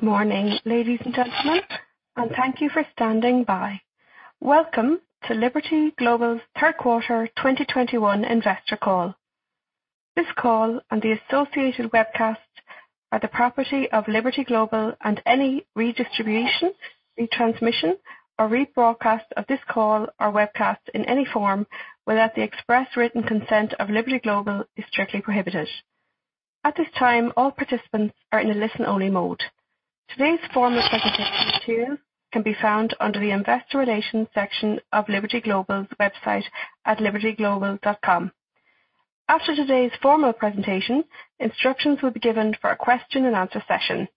Good morning, ladies and gentlemen, and thank you for standing by. Welcome to Liberty Global's Q3 2021 investor call. This call and the associated webcast are the property of Liberty Global, and any redistribution, retransmission, or rebroadcast of this call or webcast in any form without the express written consent of Liberty Global is strictly prohibited. At this time, all participants are in a listen-only mode. Today's formal presentation material can be found under the investor relations section of Liberty Global's website at libertyglobal.com. After today's formal presentation, instructions will be given for a question and answer session.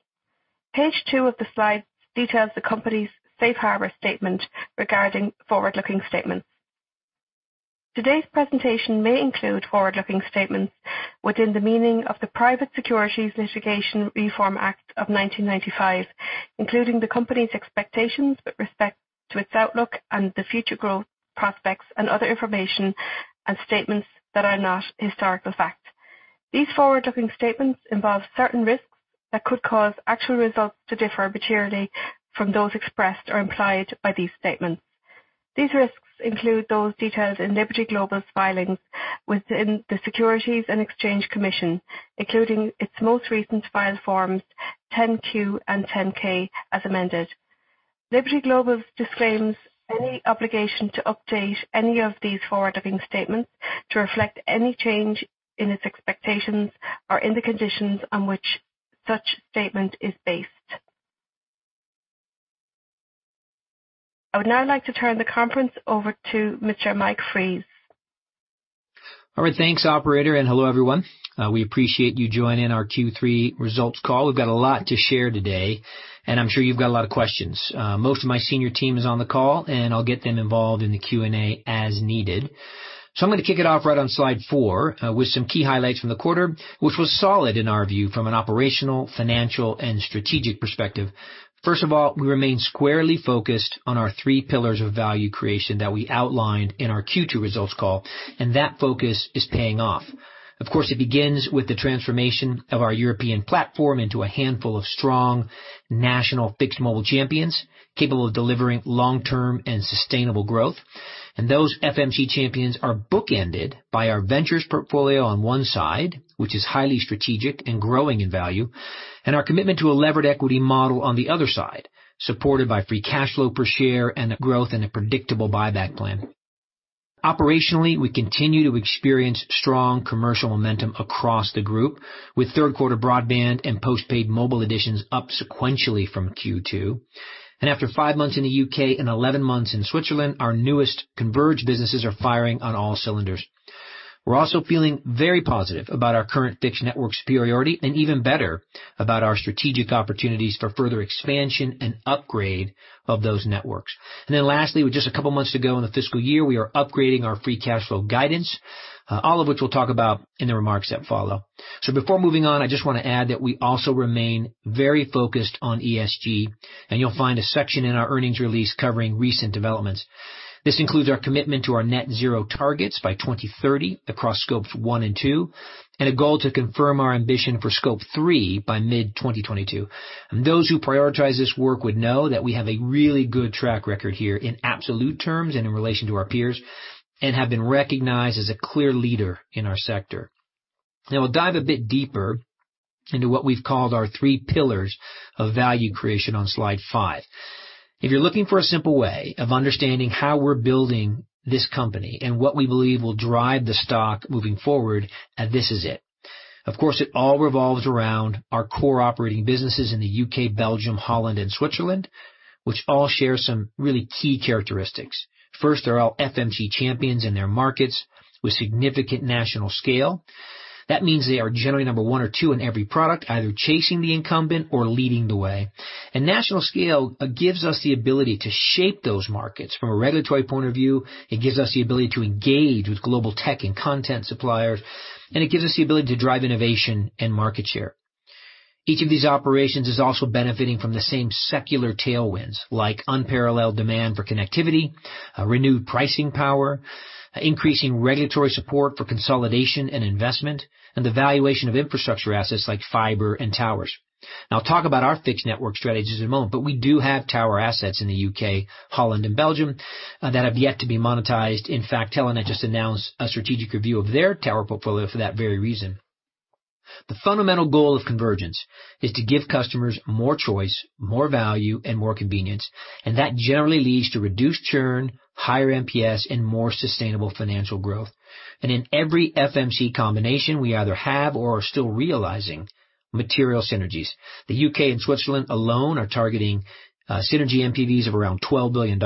Page two of the slides details the company's safe harbor statement regarding forward-looking statements. Today's presentation may include forward-looking statements within the meaning of the Private Securities Litigation Reform Act of 1995, including the company's expectations with respect to its outlook and the future growth prospects and other information and statements that are not historical facts. These forward-looking statements involve certain risks that could cause actual results to differ materially from those expressed or implied by these statements. These risks include those detailed in Liberty Global's filings within the Securities and Exchange Commission, including its most recent filed forms 10-Q and 10-K as amended. Liberty Global disclaims any obligation to update any of these forward-looking statements to reflect any change in its expectations or in the conditions on which such statement is based. I would now like to turn the conference over to Mr. Mike Fries. All right, thanks, operator, and hello, everyone. We appreciate you joining our Q3 results call. We've got a lot to share today, and I'm sure you've got a lot of questions. Most of my senior team is on the call, and I'll get them involved in the Q&A as needed. I'm gonna kick it off right on slide four, with some key highlights from the quarter, which was solid in our view from an operational, financial, and strategic perspective. First of all, we remain squarely focused on our three pillars of value creation that we outlined in our Q2 results call, and that focus is paying off. Of course, it begins with the transformation of our European platform into a handful of strong national fixed mobile champions capable of delivering long-term and sustainable growth. Those FMC champions are bookended by our ventures portfolio on one side, which is highly strategic and growing in value, and our commitment to a levered equity model on the other side, supported by free cash flow per share and a growth and a predictable buyback plan. Operationally, we continue to experience strong commercial momentum across the group, with Q3 broadband and postpaid mobile additions up sequentially from Q2. After five months in the U.K. and 11 months in Switzerland, our newest converged businesses are firing on all cylinders. We're also feeling very positive about our current fixed network superiority and even better about our strategic opportunities for further expansion and upgrade of those networks. Then lastly, with just a couple months to go in the fiscal year, we are upgrading our free cash flow guidance, all of which we'll talk about in the remarks that follow. Before moving on, I just wanna add that we also remain very focused on ESG, and you'll find a section in our earnings release covering recent developments. This includes our commitment to our net zero targets by 2030 across scopes one and two, and a goal to confirm our ambition for scope three by mid-2022. Those who prioritize this work would know that we have a really good track record here in absolute terms and in relation to our peers and have been recognized as a clear leader in our sector. Now we'll dive a bit deeper into what we've called our three pillars of value creation on slide five. If you're looking for a simple way of understanding how we're building this company and what we believe will drive the stock moving forward, this is it. Of course, it all revolves around our core operating businesses in the U.K., Belgium, Holland, and Switzerland, which all share some really key characteristics. First, they're all FMC champions in their markets with significant national scale. That means they are generally number one or two in every product, either chasing the incumbent or leading the way. A national scale gives us the ability to shape those markets from a regulatory point of view. It gives us the ability to engage with global tech and content suppliers, and it gives us the ability to drive innovation and market share. Each of these operations is also benefiting from the same secular tailwinds, like unparalleled demand for connectivity, a renewed pricing power, increasing regulatory support for consolidation and investment, and the valuation of infrastructure assets like fiber and towers. Now, I'll talk about our fixed network strategies in a moment, but we do have tower assets in the U.K., Holland, and Belgium, that have yet to be monetized. In fact, Telenet just announced a strategic review of their tower portfolio for that very reason. The fundamental goal of convergence is to give customers more choice, more value, and more convenience, and that generally leads to reduced churn, higher MPS, and more sustainable financial growth. In every FMC combination, we either have or are still realizing material synergies. The UK and Switzerland alone are targeting synergy NPVs of around $12 billion,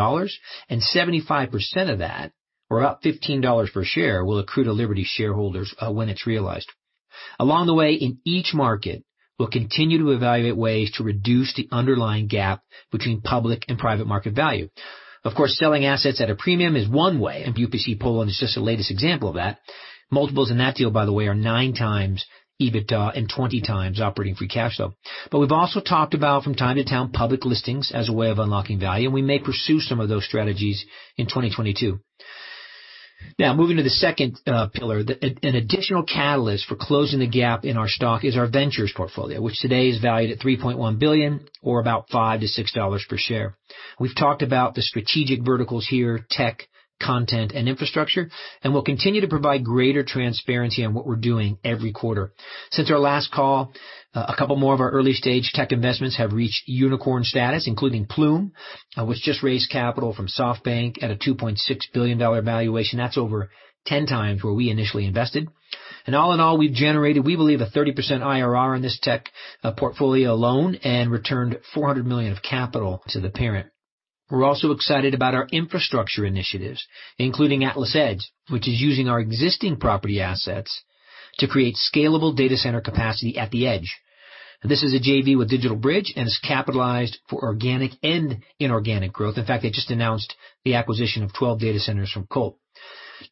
and 75% of that or about $15 per share will accrue to Liberty shareholders when it's realized. Along the way, in each market, we'll continue to evaluate ways to reduce the underlying gap between public and private market value. Of course, selling assets at a premium is one way, and UPC Poland is just the latest example of that. Multiples in that deal, by the way, are 9x EBITDA and 20x operating free cash flow. We've also talked about, from time to time, public listings as a way of unlocking value, and we may pursue some of those strategies in 2022. Now moving to the second pillar. An additional catalyst for closing the gap in our stock is our ventures portfolio, which today is valued at $3.1 billion or about $5-$6 per share. We've talked about the strategic verticals here, tech, content and infrastructure, and we'll continue to provide greater transparency on what we're doing every quarter. Since our last call, a couple more of our early stage tech investments have reached unicorn status, including Plume, which just raised capital from SoftBank at a $2.6 billion valuation. That's over 10 times where we initially invested. All in all, we've generated, we believe, a 30% IRR in this tech portfolio alone and returned $400 million of capital to the parent. We're also excited about our infrastructure initiatives, including AtlasEdge, which is using our existing property assets to create scalable data center capacity at the edge. This is a JV with DigitalBridge and is capitalized for organic and inorganic growth. In fact, they just announced the acquisition of 12 data centers from Colt.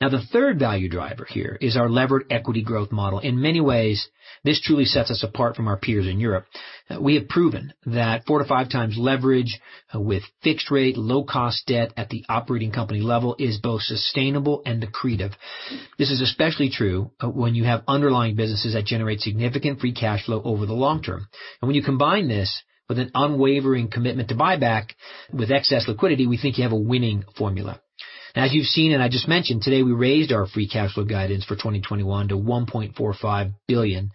Now, the third value driver here is our levered equity growth model. In many ways, this truly sets us apart from our peers in Europe. We have proven that 4x to 5x leverage with fixed rate, low cost debt at the operating company level is both sustainable and accretive. This is especially true when you have underlying businesses that generate significant free cash flow over the long term. When you combine this with an unwavering commitment to buyback with excess liquidity, we think you have a winning formula. As you've seen, I just mentioned today we raised our free cash flow guidance for 2021 to $1.45 billion.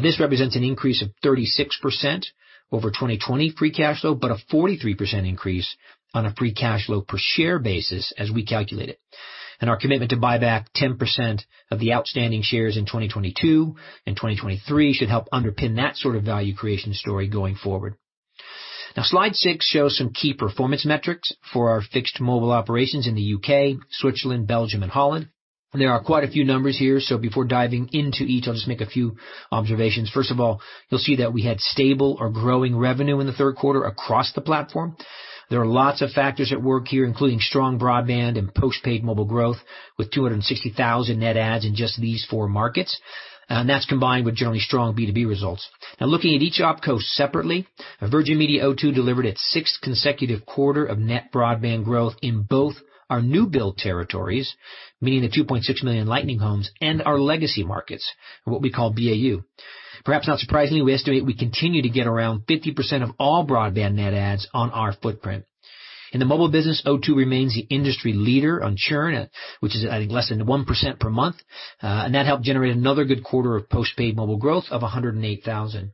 This represents an increase of 36% over 2020 free cash flow, but a 43% increase on a free cash flow per share basis as we calculate it. Our commitment to buy back 10% of the outstanding shares in 2022 and 2023 should help underpin that sort of value creation story going forward. Now, slide six shows some key performance metrics for our fixed mobile operations in the U.K., Switzerland, Belgium and Holland. There are quite a few numbers here, so before diving into each, I'll just make a few observations. First of all, you'll see that we had stable or growing revenue in the Q3 across the platform. There are lots of factors at work here, including strong broadband and postpaid mobile growth with 260,000 net adds in just these four markets. That's combined with generally strong B2B results. Now, looking at each opco separately, Virgin Media O2 delivered its sixth consecutive quarter of net broadband growth in both our new build territories, meaning the 2.6 million Lightning homes and our legacy markets are what we call BAU. Perhaps not surprisingly, we estimate we continue to get around 50% of all broadband net adds on our footprint. In the mobile business, O2 remains the industry leader on churn, which is, I think, less than 1% per month. That helped generate another good quarter of postpaid mobile growth of 108,000.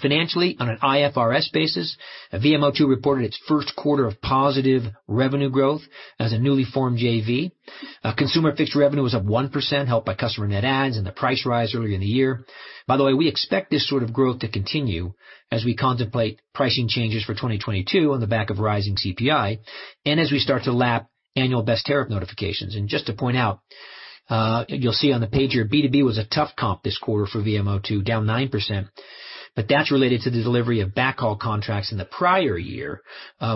Financially, on an IFRS basis, VMO2 reported its Q1 of positive revenue growth as a newly formed JV. Consumer fixed revenue was up 1%, helped by customer net adds and the price rise earlier in the year. By the way, we expect this sort of growth to continue as we contemplate pricing changes for 2022 on the back of rising CPI and as we start to lap annual best tariff notifications. Just to point out, you'll see on the page here, B2B was a tough comp this quarter for VMO2, down 9%, but that's related to the delivery of backhaul contracts in the prior year,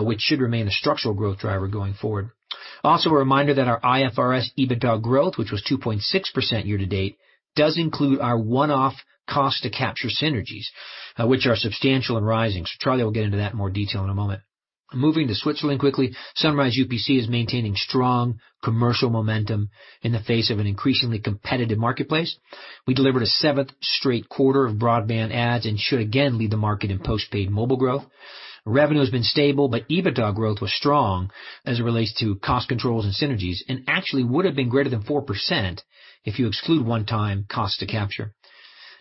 which should remain a structural growth driver going forward. Also, a reminder that our IFRS EBITDA growth, which was 2.6% year to date, does include our one-off cost to capture synergies, which are substantial and rising. Charlie will get into that in more detail in a moment. Moving to Switzerland quickly. Sunrise UPC is maintaining strong commercial momentum in the face of an increasingly competitive marketplace. We delivered a seventh straight quarter of broadband adds and should again lead the market in postpaid mobile growth. Revenue has been stable, but EBITDA growth was strong as it relates to cost controls and synergies, and actually would have been greater than 4% if you exclude one-time cost to capture.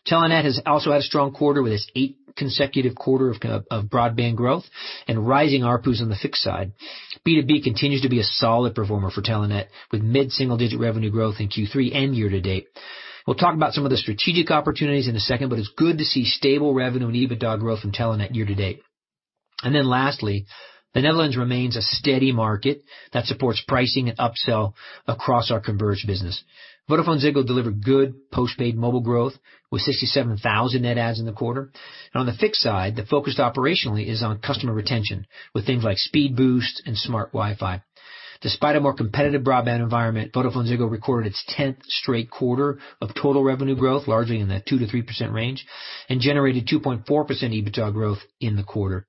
Telenet has also had a strong quarter with its eighth consecutive quarter of broadband growth and rising ARPUs on the fixed side. B2B continues to be a solid performer for Telenet, with mid-single-digit revenue growth in Q3 and year to date. We'll talk about some of the strategic opportunities in a second, but it's good to see stable revenue and EBITDA growth from Telenet year to date. Then lastly, the Netherlands remains a steady market that supports pricing and upsell across our converged business. VodafoneZiggo delivered good postpaid mobile growth with 67,000 net adds in the quarter. On the fixed side, the focus operationally is on customer retention with things like speed boost and smart Wi-Fi. Despite a more competitive broadband environment, VodafoneZiggo recorded its 10th straight quarter of total revenue growth, largely in the 2%-3% range, and generated 2.4% EBITDA growth in the quarter.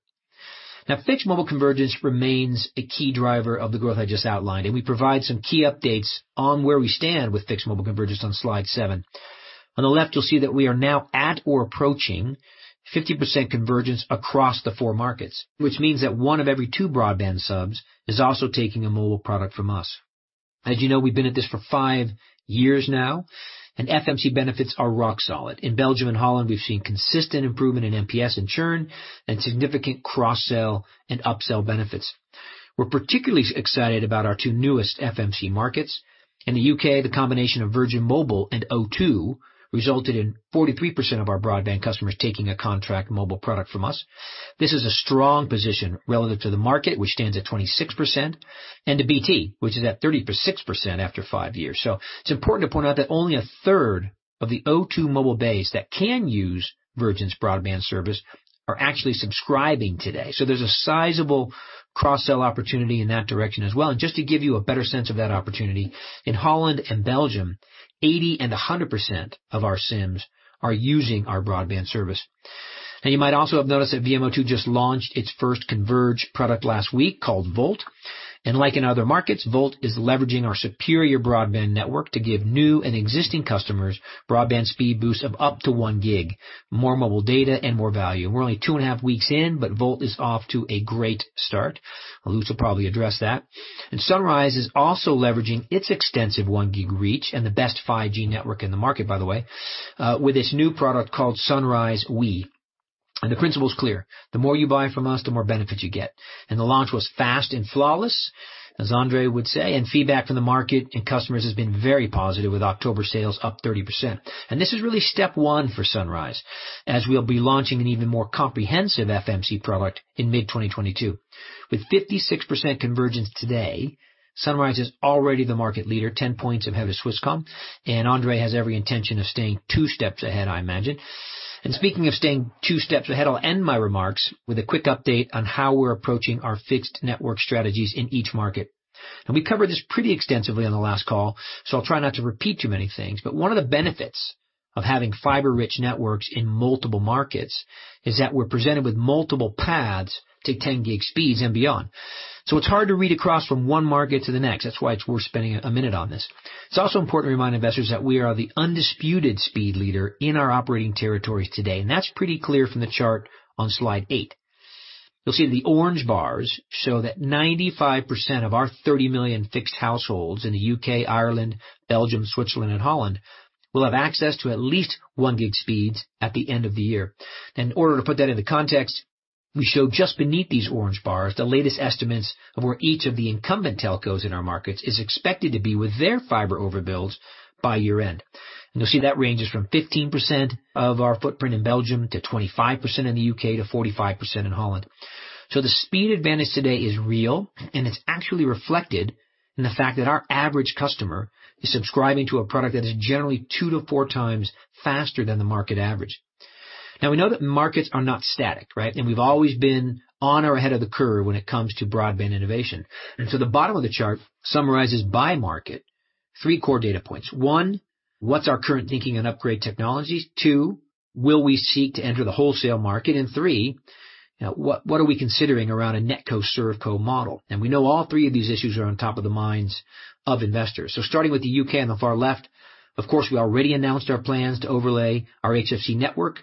Now, fixed mobile convergence remains a key driver of the growth I just outlined, and we provide some key updates on where we stand with fixed mobile convergence on slide seven. On the left, you'll see that we are now at or approaching 50% convergence across the four markets, which means that one of every two broadband subs is also taking a mobile product from us. As you know, we've been at this for five years now and FMC benefits are rock solid. In Belgium and Holland, we've seen consistent improvement in NPS and churn and significant cross-sell and upsell benefits. We're particularly excited about our two newest FMC markets. In the U.K., the combination of Virgin Mobile and O2 resulted in 43% of our broadband customers taking a contract mobile product from us. This is a strong position relative to the market, which stands at 26% and to BT, which is at 36% after five years. It's important to point out that only a third of the O2 mobile base that can use Virgin's broadband service are actually subscribing today. There's a sizable cross-sell opportunity in that direction as well. Just to give you a better sense of that opportunity, in Holland and Belgium, 80% and 100% of our SIMs are using our broadband service. Now you might also have noticed that VMO2 just launched its first converged product last week called Volt. Like in other markets, Volt is leveraging our superior broadband network to give new and existing customers broadband speed boosts of up to 1Gb, more mobile data and more value. We're only two and a half weeks in, but Volt is off to a great start. Lutz will probably address that. Sunrise is also leveraging its extensive 1Gb reach and the best 5G network in the market, by the way, with its new product called Sunrise We. The principle is clear. The more you buy from us, the more benefits you get. The launch was fast and flawless, as Andre would say. Feedback from the market and customers has been very positive, with October sales up 30%. This is really step one for Sunrise, as we'll be launching an even more comprehensive FMC product in mid-2022. With 56% convergence today, Sunrise is already the market leader, 10 points ahead of Swisscom, and Andre has every intention of staying two steps ahead, I imagine. Speaking of staying two steps ahead, I'll end my remarks with a quick update on how we're approaching our fixed network strategies in each market. Now we covered this pretty extensively on the last call, so I'll try not to repeat too many things. One of the benefits of having fiber-rich networks in multiple markets is that we're presented with multiple paths to 10 gig speeds and beyond. It's hard to read across from one market to the next. That's why it's worth spending a minute on this. It's also important to remind investors that we are the undisputed speed leader in our operating territories today, and that's pretty clear from the chart on Slide eight. You'll see the orange bars show that 95% of our 30 million fixed households in the U.K., Ireland, Belgium, Switzerland and Holland will have access to at least 1Gb speeds at the end of the year. In order to put that into context, we show just beneath these orange bars the latest estimates of where each of the incumbent telcos in our markets is expected to be with their fiber overbuilds by year-end. You'll see that ranges from 15% of our footprint in Belgium to 25% in the U.K. to 45% in Holland. The speed advantage today is real, and it's actually reflected in the fact that our average customer is subscribing to a product that is generally two to four times faster than the market average. Now we know that markets are not static, right? We've always been on or ahead of the curve when it comes to broadband innovation. The bottom of the chart summarizes by market three core data points. One, what's our current thinking on upgrade technologies? Two, will we seek to enter the wholesale market? Three, what are we considering around a netco, servco model? We know all three of these issues are on top of the minds of investors. Starting with the U.K. on the far left, of course, we already announced our plans to overlay our HFC network,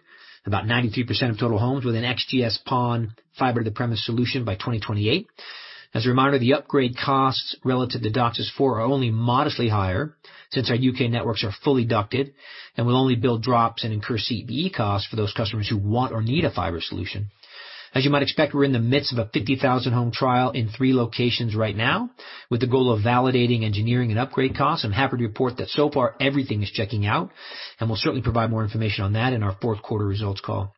about 93% of total homes with an XGS-PON fiber to the premises solution by 2028. As a reminder, the upgrade costs relative to DOCSIS 4.0 are only modestly higher since our U.K. networks are fully ducted and will only build drops and incur CPE costs for those customers who want or need a fiber solution. As you might expect, we're in the midst of a 50,000-home trial in three locations right now with the goal of validating engineering and upgrade costs. I'm happy to report that so far everything is checking out, and we'll certainly provide more information on that in our Q4 results call.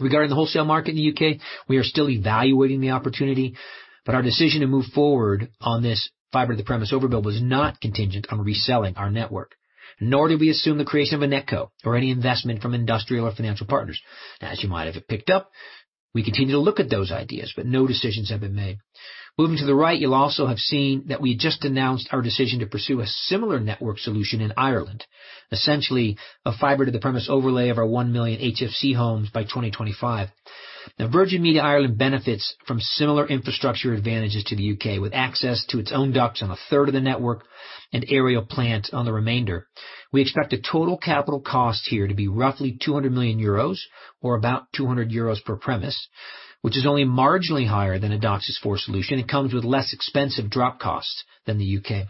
Regarding the wholesale market in the U.K., we are still evaluating the opportunity, but our decision to move forward on this fiber to the premises overbuild was not contingent on reselling our network, nor do we assume the creation of a netco or any investment from industrial or financial partners. As you might have picked up, we continue to look at those ideas, but no decisions have been made. Moving to the right, you'll also have seen that we just announced our decision to pursue a similar network solution in Ireland, essentially a fiber to the premises overlay of our one million HFC homes by 2025. Now Virgin Media Ireland benefits from similar infrastructure advantages to the U.K., with access to its own ducts on a third of the network and aerial plant on the remainder. We expect the total capital cost here to be roughly 200 million euros or about 200 euros per premises, which is only marginally higher than a DOCSIS 4.0 solution. It comes with less expensive drop costs than the U.K.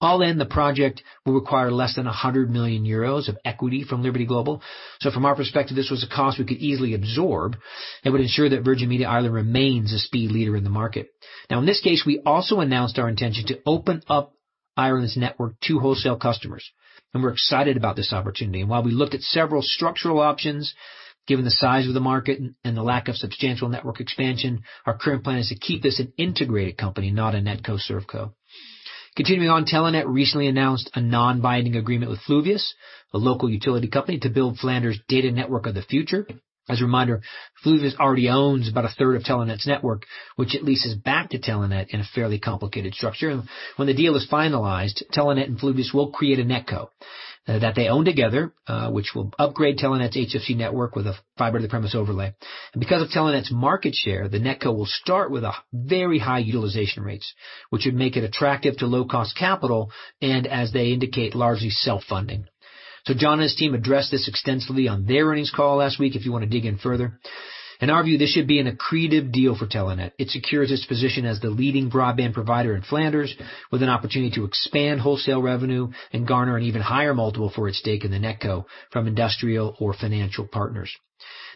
All in the project will require less than 100 million euros of equity from Liberty Global. From our perspective, this was a cost we could easily absorb and would ensure that Virgin Media Ireland remains a speed leader in the market. Now in this case, we also announced our intention to open up Ireland's network to wholesale customers. We're excited about this opportunity. While we looked at several structural options, given the size of the market and the lack of substantial network expansion, our current plan is to keep this an integrated company, not a netco, servco. Continuing on, Telenet recently announced a non-binding agreement with Fluvius, a local utility company, to build the data network of the future in Flanders. As a reminder, Fluvius already owns about a third of Telenet's network, which it leases back to Telenet in a fairly complicated structure. When the deal is finalized, Telenet and Fluvius will create a netco that they own together, which will upgrade Telenet's HFC network with a fiber to the premise overlay. Because of Telenet's market share, the netco will start with a very high utilization rates, which would make it attractive to low cost capital and as they indicate, largely self-funding. John and his team addressed this extensively on their earnings call last week if you want to dig in further. In our view, this should be an accretive deal for Telenet. It secures its position as the leading broadband provider in Flanders with an opportunity to expand wholesale revenue and garner an even higher multiple for its stake in the netco from industrial or financial partners.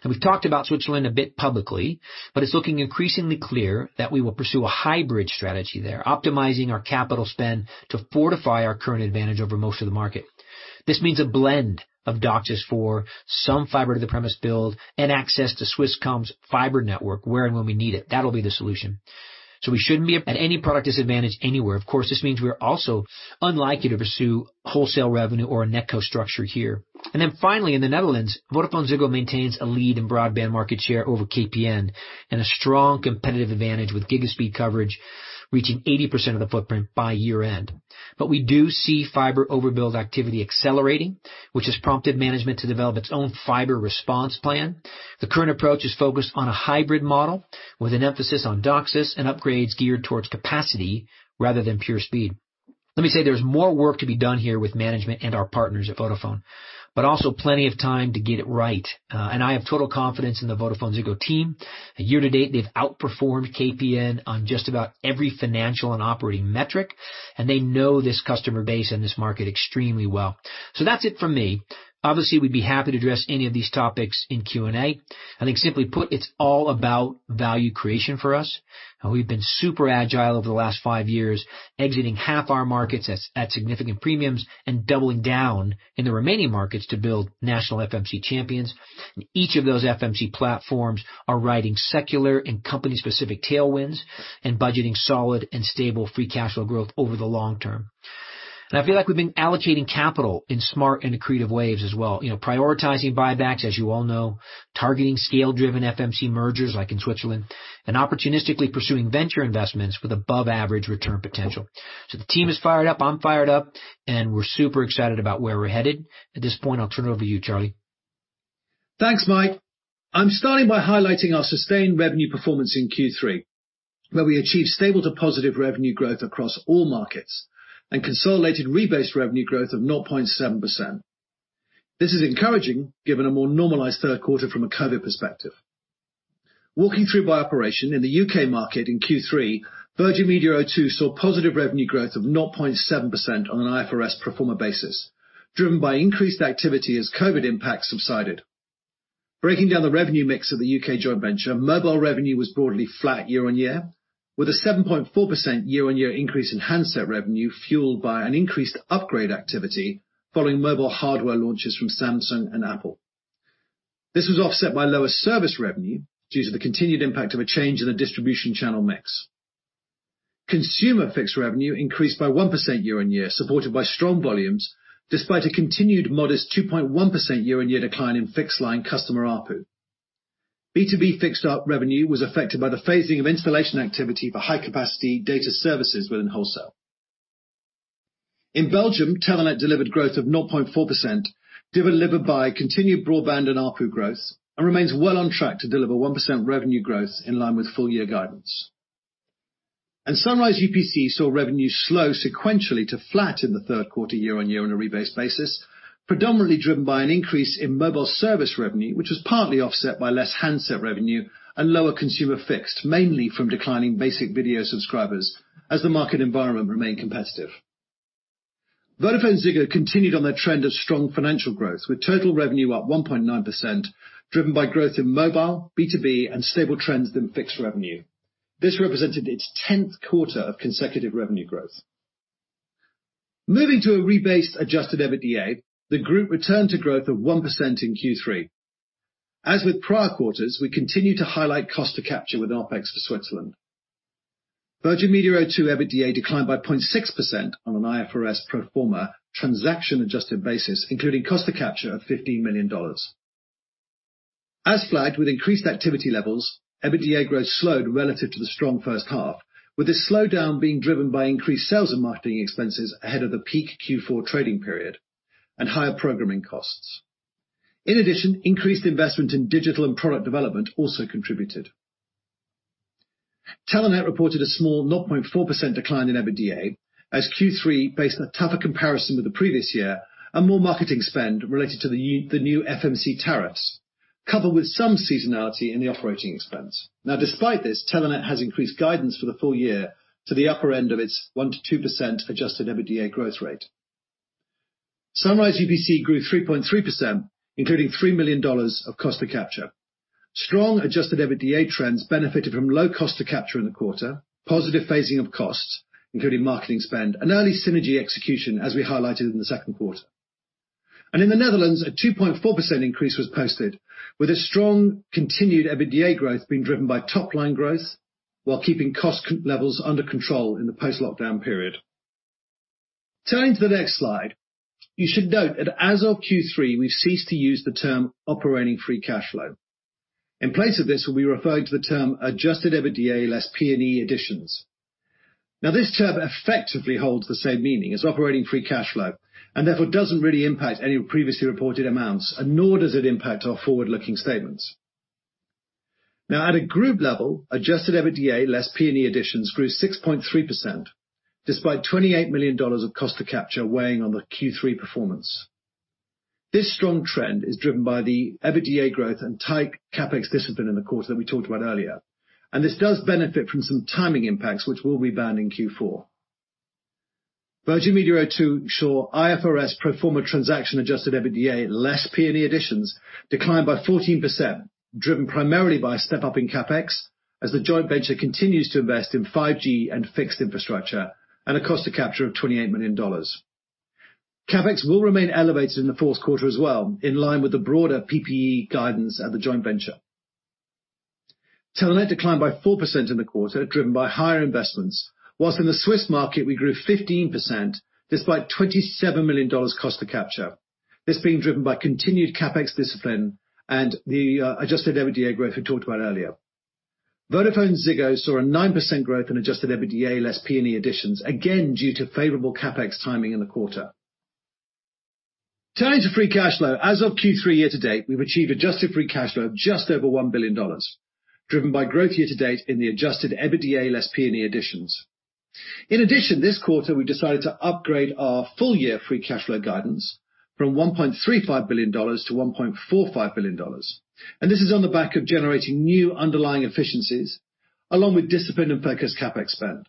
Now we've talked about Switzerland a bit publicly, but it's looking increasingly clear that we will pursue a hybrid strategy there, optimizing our capital spend to fortify our current advantage over most of the market. This means a blend of DOCSIS for some fiber to the premises build and access to Swisscom's fiber network where and when we need it. That'll be the solution. We shouldn't be at any product disadvantage anywhere. Of course, this means we are also unlikely to pursue wholesale revenue or a netco structure here. Finally, in the Netherlands, VodafoneZiggo maintains a lead in broadband market share over KPN and a strong competitive advantage, with GigaSpeed coverage reaching 80% of the footprint by year-end. We do see fiber overbuild activity accelerating, which has prompted management to develop its own fiber response plan. The current approach is focused on a hybrid model with an emphasis on DOCSIS and upgrades geared towards capacity rather than pure speed. Let me say there's more work to be done here with management and our partners at Vodafone, but also plenty of time to get it right. I have total confidence in the VodafoneZiggo team. Year-to-date, they've outperformed KPN on just about every financial and operating metric, and they know this customer base and this market extremely well. That's it for me. Obviously, we'd be happy to address any of these topics in Q&A. I think simply put, it's all about value creation for us. We've been super agile over the last five years, exiting half our markets at significant premiums and doubling down in the remaining markets to build national FMC champions. Each of those FMC platforms are riding secular and company-specific tailwinds and budgeting solid and stable free cash flow growth over the long term. I feel like we've been allocating capital in smart and accretive waves as well. You know, prioritizing buybacks, as you all know, targeting scale-driven FMC mergers like in Switzerland, and opportunistically pursuing venture investments with above average return potential. The team is fired up, I'm fired up, and we're super excited about where we're headed. At this point, I'll turn it over to you, Charlie. Thanks, Mike. I'm starting by highlighting our sustained revenue performance in Q3, where we achieved stable to positive revenue growth across all markets and consolidated rebased revenue growth of 0.7%. This is encouraging, given a more normalized Q3 from a COVID perspective. Walking through by operation, in the U.K. market in Q3, Virgin Media O2 saw positive revenue growth of 0.7% on an IFRS pro forma basis, driven by increased activity as COVID impacts subsided. Breaking down the revenue mix of the U.K. joint venture, mobile revenue was broadly flat year-on-year, with a 7.4% year-on-year increase in handset revenue fueled by an increased upgrade activity following mobile hardware launches from Samsung and Apple. This was offset by lower service revenue due to the continued impact of a change in the distribution channel mix. Consumer fixed revenue increased by 1% year-on-year, supported by strong volumes, despite a continued modest 2.1% year-on-year decline in fixed line customer ARPU. B2B fixed ARPU revenue was affected by the phasing of installation activity for high-capacity data services within wholesale. In Belgium, Telenet delivered growth of 0.4%, delivered by continued broadband and ARPU growth, and remains well on track to deliver 1% revenue growth in line with full year guidance. Sunrise UPC saw revenue slow sequentially to flat in the Q3 year-on-year on a rebased basis, predominantly driven by an increase in mobile service revenue, which was partly offset by less handset revenue and lower consumer fixed, mainly from declining basic video subscribers as the market environment remained competitive. VodafoneZiggo continued on their trend of strong financial growth, with total revenue up 1.9%, driven by growth in mobile, B2B, and stable trends in fixed revenue. This represented its 10th quarter of consecutive revenue growth. Moving to a rebased adjusted EBITDA, the group returned to growth of 1% in Q3. As with prior quarters, we continue to highlight cost to capture with OpEx for Switzerland. Virgin Media O2 EBITDA declined by 0.6% on an IFRS pro forma transaction-adjusted basis, including cost to capture of $15 million. As flagged with increased activity levels, EBITDA growth slowed relative to the strong H1, with this slowdown being driven by increased sales and marketing expenses ahead of the peak Q4 trading period and higher programming costs. In addition, increased investment in digital and product development also contributed. Telenet reported a small 0.4% decline in EBITDA as Q3 faced a tougher comparison with the previous year and more marketing spend related to the new FMC tariffs, coupled with some seasonality in the operating expense. Now despite this, Telenet has increased guidance for the full year to the upper end of its 1%-2% adjusted EBITDA growth rate. Sunrise UPC grew 3.3%, including $3 million of cost to capture. Strong adjusted EBITDA trends benefited from low cost to capture in the quarter, positive phasing of costs, including marketing spend and early synergy execution, as we highlighted in the Q2. In the Netherlands, a 2.4% increase was posted, with a strong continued EBITDA growth being driven by top-line growth while keeping cost levels under control in the post-lockdown period. Turning to the next slide, you should note that as of Q3, we've ceased to use the term operating free cash flow. In place of this, we'll be referring to the term adjusted EBITDA less P&E additions. Now this term effectively holds the same meaning as operating free cash flow and therefore doesn't really impact any previously reported amounts, and nor does it impact our forward-looking statements. Now at a group level, adjusted EBITDA less P&E additions grew 6.3%, despite $28 million of cost to capture weighing on the Q3 performance. This strong trend is driven by the EBITDA growth and tight CapEx discipline in the quarter that we talked about earlier, and this does benefit from some timing impacts which we'll rebound in Q4. Virgin Media O2 saw IFRS pro forma transaction adjusted EBITDA less P&E additions decline by 14%, driven primarily by a step-up in CapEx as the joint venture continues to invest in 5G and fixed infrastructure at a cost to capture of $28 million. CapEx will remain elevated in the Q4 as well, in line with the broader PPE guidance at the joint venture. Telenet declined by 4% in the quarter, driven by higher investments, while in the Swiss market we grew 15% despite $27 million cost to capture, this being driven by continued CapEx discipline and the adjusted EBITDA growth we talked about earlier. VodafoneZiggo saw a 9% growth in adjusted EBITDA, less P&E additions, again due to favorable CapEx timing in the quarter. Turning to free cash flow, as of Q3 year-to-date, we've achieved adjusted free cash flow of just over $1 billion, driven by growth year-to-date in the adjusted EBITDA less P&E Additions. In addition, this quarter, we decided to upgrade our full year free cash flow guidance from $1.35 billion-$1.45 billion. This is on the back of generating new underlying efficiencies, along with disciplined and focused CapEx spend.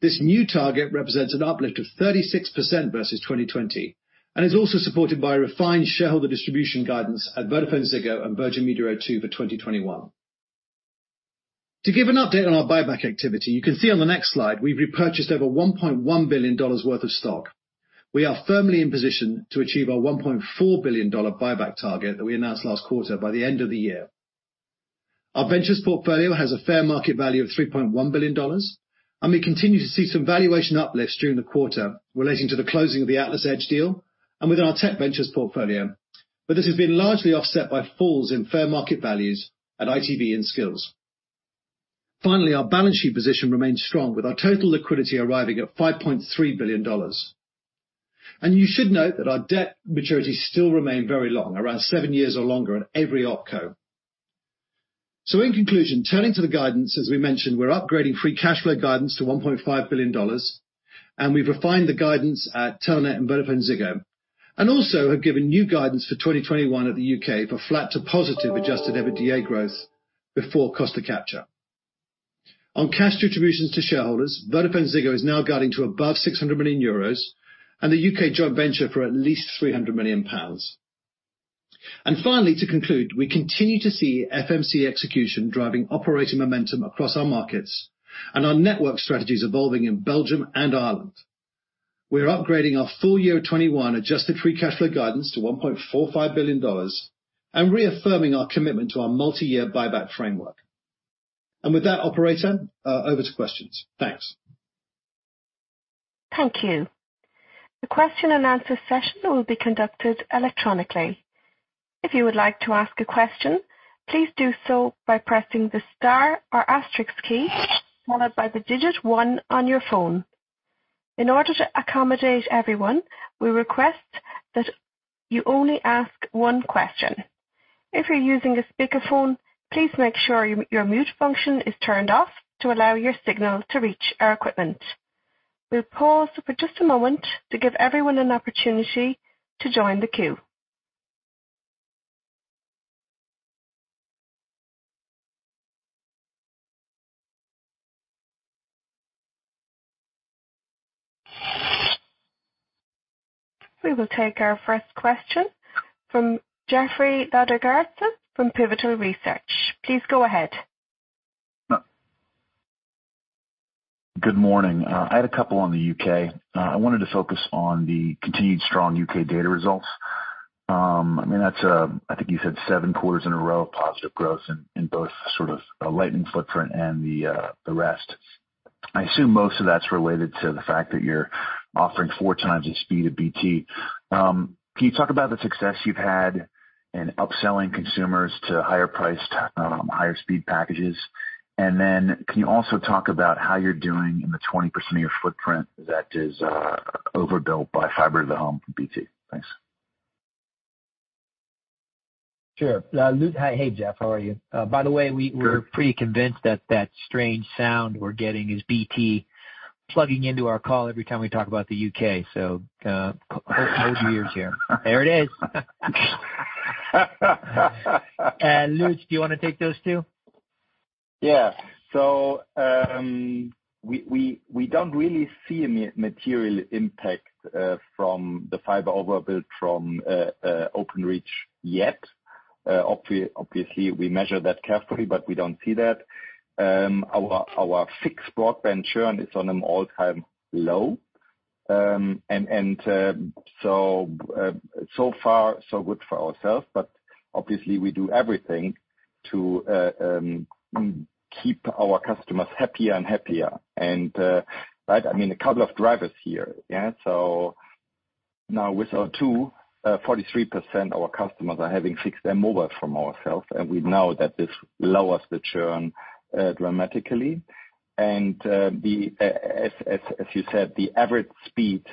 This new target represents an uplift of 36% versus 2020, and is also supported by refined shareholder distribution guidance at VodafoneZiggo and Virgin Media O2 for 2021. To give an update on our buyback activity, you can see on the next slide, we've repurchased over $1.1 billion worth of stock. We are firmly in position to achieve our $1.4 billion buyback target that we announced last quarter by the end of the year. Our ventures portfolio has a fair market value of $3.1 billion, and we continue to see some valuation uplifts during the quarter relating to the closing of the AtlasEdge deal and with our tech ventures portfolio. This has been largely offset by falls in fair market values at ITV and Skillz. Finally, our balance sheet position remains strong, with our total liquidity arriving at $5.3 billion. You should note that our debt maturities still remain very long, around seven years or longer at every opco. In conclusion, turning to the guidance, as we mentioned, we're upgrading free cash flow guidance to $1.5 billion, and we've refined the guidance at Telenet and VodafoneZiggo. We have given new guidance for 2021 at the U.K. for flat to positive adjusted EBITDA growth before cost of capture. On cash distributions to shareholders, VodafoneZiggo is now guiding to above 600 million euros and the U.K. joint venture for at least 300 million pounds. Finally, to conclude, we continue to see FMC execution driving operating momentum across our markets and our network strategies evolving in Belgium and Ireland. We're upgrading our full year 2021 adjusted free cash flow guidance to $1.45 billion and reaffirming our commitment to our multi-year buyback framework. With that, operator, over to questions. Thanks. Thank you. The question-and-answer session will be conducted electronically. If you would like to ask a question, please do so by pressing the star or asterisk key, followed by the digit one on your phone. In order to accommodate everyone, we request that you only ask one question. If you're using a speakerphone, please make sure your mute function is turned off to allow your signal to reach our equipment. We'll pause for just a moment to give everyone an opportunity to join the queue. We will take our first question from Jeff Wlodarczak from Pivotal Research. Please go ahead. Good morning. I had a couple on the UK. I wanted to focus on the continued strong UK data results. I mean, that's a, I think you said seven quarters in a row of positive growth in both sort of a Lightning footprint and the rest. I assume most of that's related to the fact that you're offering four times the speed of BT. Can you talk about the success you've had in upselling consumers to higher-priced, higher speed packages? Can you also talk about how you're doing in the 20% of your footprint that is overbuilt by fiber to the home from BT? Thanks. Sure. Lutz. Hey, Jeff, how are you? By the way, we- Good. We're pretty convinced that strange sound we're getting is BT plugging into our call every time we talk about the U.K. So, hold your ears here. There it is. Lutz, do you wanna take those two? We don't really see a material impact from the fiber overbuild from Openreach yet. Obviously, we measure that carefully, but we don't see that. Our fixed broadband churn is on an all-time low. So far, so good for ourselves. Obviously, we do everything to keep our customers happier and happier. Right, I mean, a couple of drivers here. Now with our 243%, our customers are having fixed and mobile from ourselves, and we know that this lowers the churn dramatically. As you said, the average speed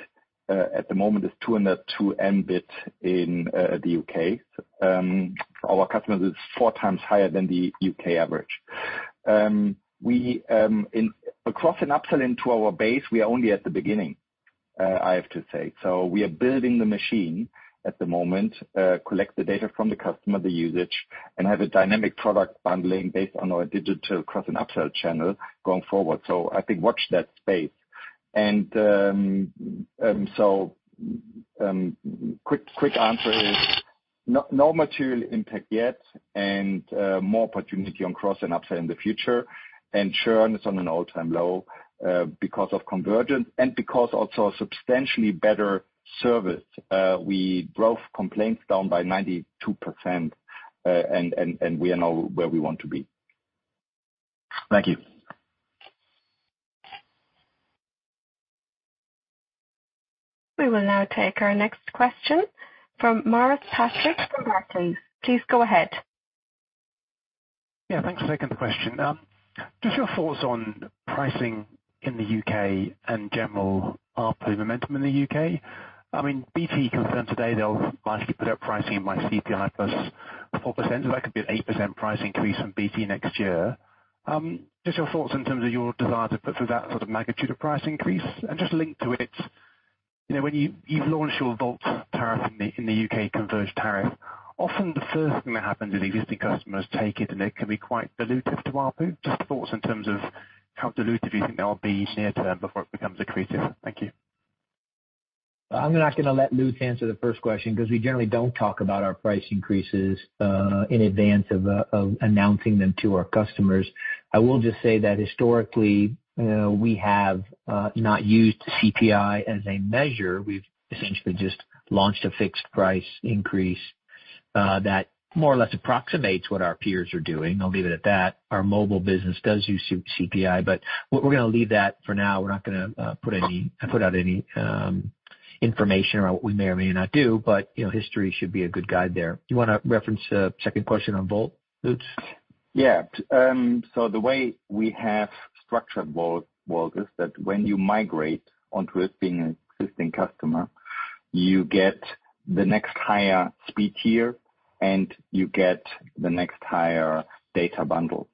at the moment is 202 Mbit in the U.K. Our customers is four times higher than the U.K. average. We in cross and upsell into our base, we are only at the beginning, I have to say. We are building the machine at the moment, collect the data from the customer, the usage, and have a dynamic product bundling based on our digital cross and upsell channel going forward. I think watch that space. Quick answer is no material impact yet and more opportunity on cross and upsell in the future. Churn is on an all-time low, because of convergence and because also a substantially better service. We drove complaints down by 92%. And we are now where we want to be. Thank you. We will now take our next question from Maurice Patrick from Barclays. Please go ahead. Yeah, thanks for taking the question. Just your thoughts on pricing in the U.K. and general ARPU momentum in the U.K. I mean, BT confirmed today they'll likely put up pricing by CPI plus 4%. That could be an 8% price increase on BT next year. Just your thoughts in terms of your desire to put through that sort of magnitude of price increase. Just linked to it, you know when you've launched your Volt tariff in the U.K., converged tariff. Often the first thing that happens is existing customers take it and it can be quite dilutive to ARPU. Just thoughts in terms of how dilutive you think that will be near-term before it becomes accretive. Thank you. I'm now gonna let Lutz answer the first question because we generally don't talk about our price increases in advance of announcing them to our customers. I will just say that historically, we have not used CPI as a measure. We've essentially just launched a fixed price increase that more or less approximates what our peers are doing. I'll leave it at that. Our mobile business does use C-CPI, but we're gonna leave that for now. We're not gonna put out any information around what we may or may not do, but you know, history should be a good guide there. Do you wanna reference the second question on Volt, Lutz? Yeah. The way we have structured Volt is that when you migrate onto it being an existing customer, you get the next higher speed tier, and you get the next higher data bundle.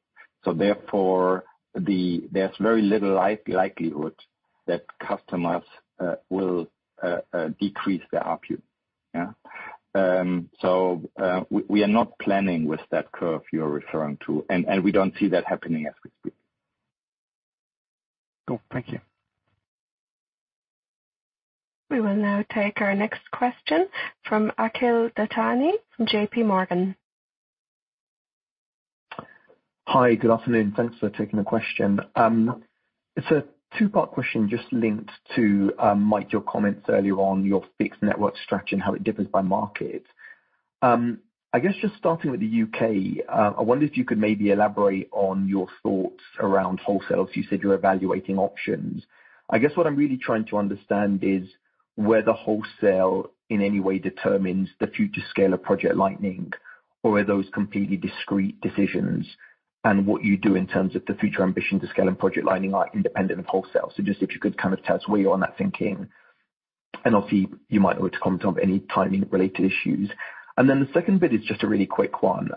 Therefore, there's very little likelihood that customers will decrease their ARPU. Yeah. We are not planning with that curve you're referring to, and we don't see that happening as we speak. Cool. Thank you. We will now take our next question from Akhil Dattani from JP Morgan. Hi. Good afternoon. Thanks for taking the question. It's a two-part question just linked to, Mike, your comments earlier on your fixed network strategy and how it differs by market. I guess just starting with the U.K., I wonder if you could maybe elaborate on your thoughts around wholesale. You said you're evaluating options. I guess what I'm really trying to understand is whether wholesale in any way determines the future scale of Project Lightning, or are those completely discrete decisions? What you do in terms of the future ambition to scale in Project Lightning are independent of wholesale. Just if you could kind of tell us where you are on that thinking. Obviously, you might want to comment on any timing-related issues. The second bit is just a really quick one.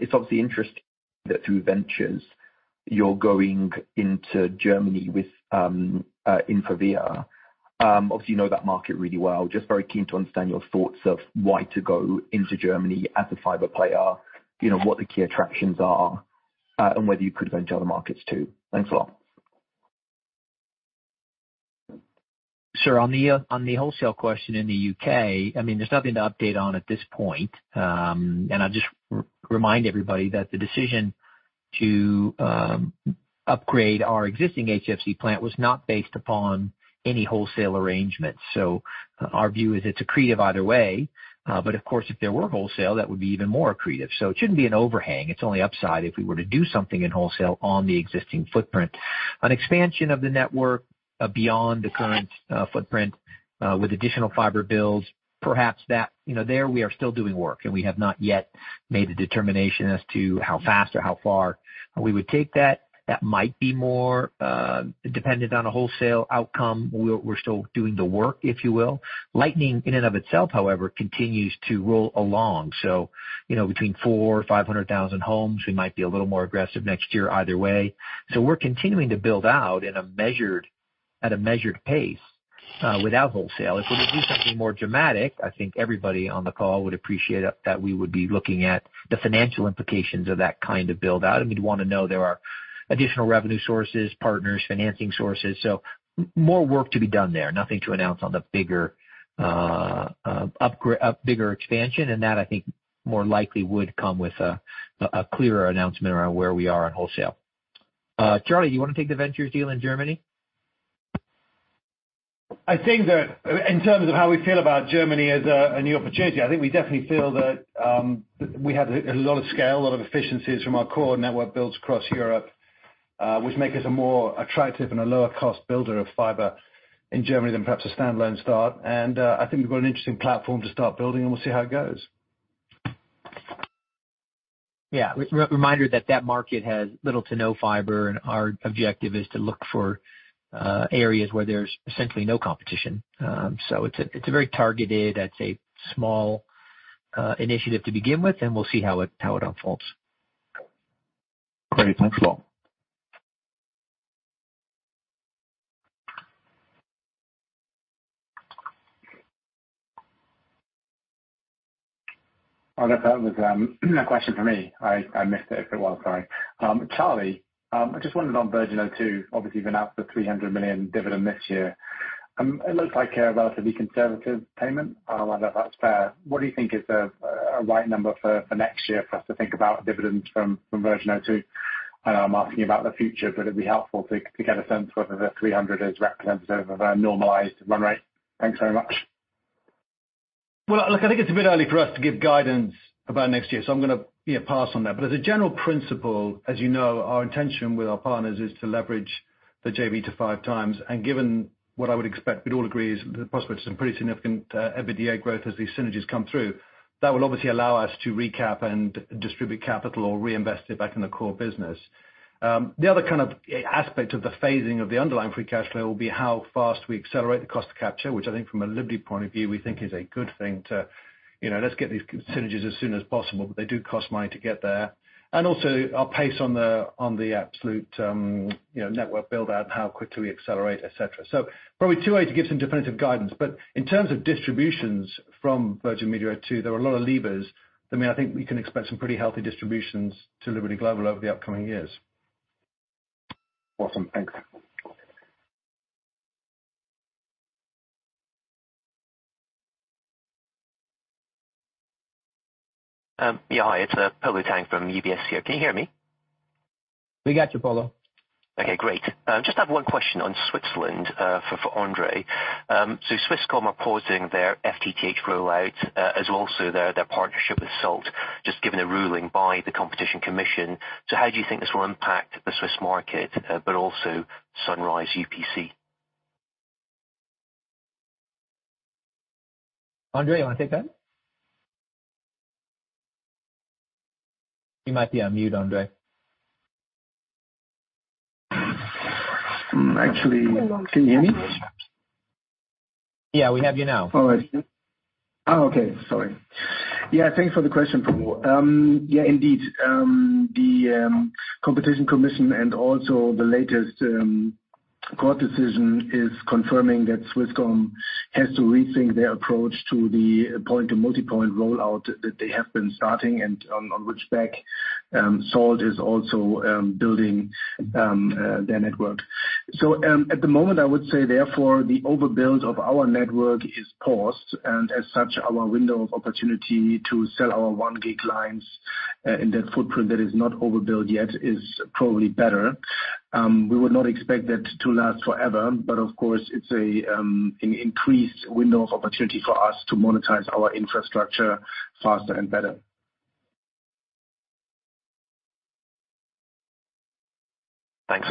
It's obviously interesting that through ventures you're going into Germany with InfraVia. Obviously you know that market really well. Just very keen to understand your thoughts of why to go into Germany as a fiber player, you know, what the key attractions are, and whether you could venture other markets too. Thanks a lot. Sure. On the wholesale question in the U.K., I mean, there's nothing to update on at this point. I'll just remind everybody that the decision to upgrade our existing HFC plant was not based upon any wholesale arrangements. Our view is it's accretive either way. But of course, if there were wholesale, that would be even more accretive. It shouldn't be an overhang. It's only upside if we were to do something in wholesale on the existing footprint. An expansion of the network beyond the current footprint with additional fiber builds, perhaps that. You know, there we are still doing work, and we have not yet made the determination as to how fast or how far we would take that. That might be more dependent on a wholesale outcome. We're still doing the work, if you will. Lightning in and of itself, however, continues to roll along. You know, between 400,000-500,000 homes, we might be a little more aggressive next year either way. We're continuing to build out at a measured pace without wholesale. If we were to do something more dramatic, I think everybody on the call would appreciate that we would be looking at the financial implications of that kind of build-out, and we'd wanna know there are additional revenue sources, partners, financing sources. More work to be done there. Nothing to announce on the bigger expansion, and that I think more likely would come with a clearer announcement around where we are on wholesale. Charlie, you wanna take the ventures deal in Germany? I think that in terms of how we feel about Germany as a new opportunity, I think we definitely feel that we have a lot of scale, a lot of efficiencies from our core network builds across Europe, which make us a more attractive and a lower cost builder of fiber in Germany than perhaps a standalone start. I think we've got an interesting platform to start building, and we'll see how it goes. Yeah. Reminder that market has little to no fiber, and our objective is to look for areas where there's essentially no competition. It's a very targeted, I'd say, small initiative to begin with, and we'll see how it unfolds. Great. Thanks a lot. Oh, I'm sorry. Was a question for me. I missed it for a while. Sorry. Charlie, I just wondered on Virgin O2, obviously you've been out for 300 million dividend this year. It looks like a relatively conservative payment. I don't know if that's fair. What do you think is the right number for next year for us to think about dividends from Virgin O2? I'm asking about the future, but it'd be helpful to get a sense of if the 300 million is representative of a normalized run rate. Thanks very much. Well, look, I think it's a bit early for us to give guidance about next year, so I'm gonna, you know, pass on that. As a general principle, as you know, our intention with our partners is to leverage the JV to 5 times. Given what I would expect, we'd all agree is the prospects of pretty significant EBITDA growth as these synergies come through. That will obviously allow us to recap and distribute capital or reinvest it back in the core business. The other kind of aspect of the phasing of the underlying free cash flow will be how fast we accelerate the cost to capture, which I think from a Liberty point of view, we think is a good thing to, you know, let's get these synergies as soon as possible, but they do cost money to get there. Also our pace on the absolute, you know, network build out, how quickly we accelerate, et cetera. Probably too early to give some definitive guidance. In terms of distributions from Virgin Media O2, there are a lot of levers that mean, I think we can expect some pretty healthy distributions to Liberty Global over the upcoming years. Awesome. Thanks. Yeah, hi, it's Polo Tang from UBS here. Can you hear me? We got you, Polo. Okay, great. I just have one question on Switzerland for Andre. Swisscom are pausing their FTTH rollout, and also their partnership with Salt, just given the ruling by the Competition Commission. How do you think this will impact the Swiss market, but also Sunrise UPC? Andre, you wanna take that? You might be on mute, Andre. Actually, can you hear me? Yeah, we have you now. All right. Oh, okay. Sorry. Yeah, thanks for the question, Polo. Yeah, indeed, the Competition Commission and also the latest court decision is confirming that Swisscom has to rethink their approach to the point-to-multipoint rollout that they have been starting and on which Salt is also building their network. At the moment, I would say therefore, the overbuild of our network is paused, and as such, our window of opportunity to sell our one gig clients in that footprint that is not overbuilt yet is probably better. We would not expect that to last forever, but of course, it's an increased window of opportunity for us to monetize our infrastructure faster and better. Thanks.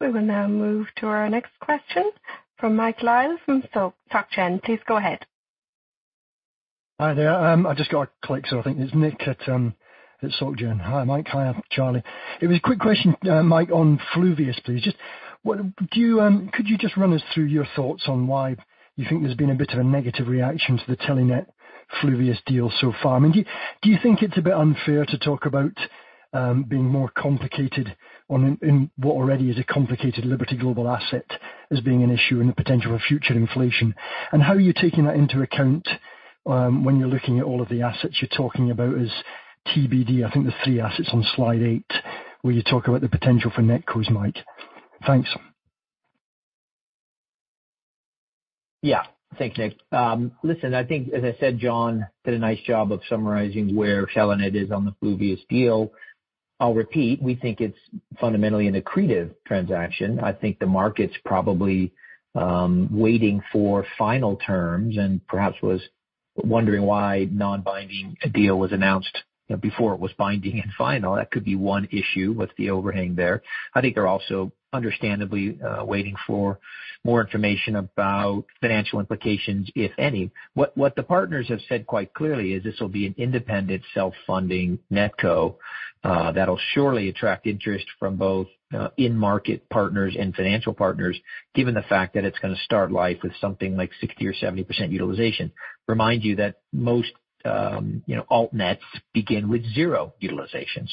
We will now move to our next question from Michael Clark from Societe Generale. Please go ahead. Hi there. I just got clicked, so I think it's Nic at Societe Generale. Hi, Mike. Hi, Charlie. It was a quick question, Mike, on Fluvius, please. Could you just run us through your thoughts on why you think there's been a bit of a negative reaction to the Telenet Fluvius deal so far? Do you think it's a bit unfair to talk about being more complicated in what already is a complicated Liberty Global asset as being an issue and the potential for future inflation? How are you taking that into account when you're looking at all of the assets you're talking about as TBD, I think the three assets on slide eight, where you talk about the potential for netcos, Mike. Thanks. Yeah. Thank you, Nic. Listen, I think as I said, John did a nice job of summarizing where Telenet is on the Fluvius deal. I'll repeat, we think it's fundamentally an accretive transaction. I think the market's probably waiting for final terms and perhaps was wondering why a non-binding deal was announced, you know, before it was binding and final. That could be one issue with the overhang there. I think they're also understandably waiting for more information about financial implications, if any. What the partners have said quite clearly is this will be an independent self-funding netco, that'll surely attract interest from both in-market partners and financial partners, given the fact that it's gonna start life with something like 60%-70% utilization. Remind you that most, you know, alt nets begin with 0 utilization.